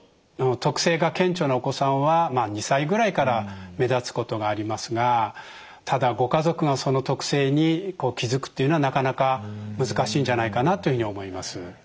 特性が顕著なお子さんは２歳ぐらいから目立つことがありますがただご家族がその特性に気付くっていうのはなかなか難しいんじゃないかなというふうに思います。